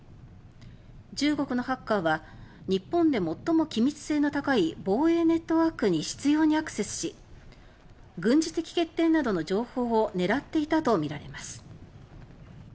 中国のハッカーは日本で最も機密性の高い防衛ネットワークに執拗にアクセスし軍事的欠点などの情報を狙っていたとみられます。